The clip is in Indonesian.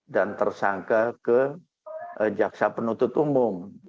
dan tersangka ke jaksa penuntut umum